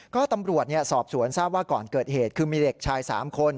ก็ตำรวจสอบสวนทราบว่าก่อนเกิดเหตุคือมีเด็กชาย๓คน